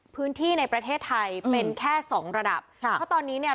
พื้นที่ในประเทศไทยเป็นแค่สองระดับค่ะเพราะตอนนี้เนี่ย